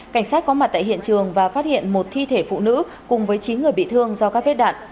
cảnh sát có mặt tại hiện trường và phát hiện một thi thể phụ nữ cùng với chín người bị thương do các vết đạn